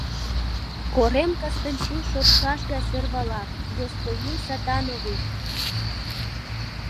Корем Кыстинчи шортшаш гай сӧрвала: — Госпойин сатановый!